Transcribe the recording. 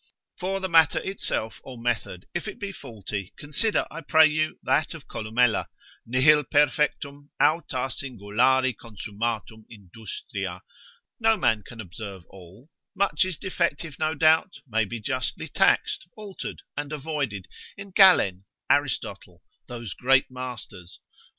For the matter itself or method, if it be faulty, consider I pray you that of Columella, Nihil perfectum, aut a singulari consummatum industria, no man can observe all, much is defective no doubt, may be justly taxed, altered, and avoided in Galen, Aristotle, those great masters.